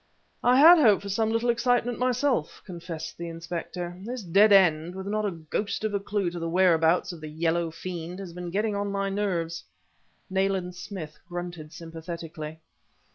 "I had hoped for some little excitement, myself," confessed the inspector. "This dead end, with not a ghost of a clue to the whereabouts of the yellow fiend, has been getting on my nerves " Nayland Smith grunted sympathetically.